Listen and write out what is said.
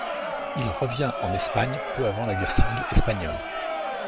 Il revient en Espagne peu avant la Guerre Civile Espagnole.